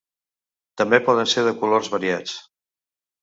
També poden ser de colors variats.